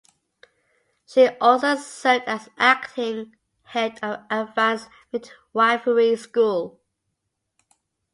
She also served as acting head of the Advanced Midwifery School.